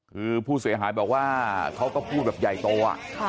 คือผู้เสียหายบอกว่าเขาก็พูดแบบใหญ่โตอะ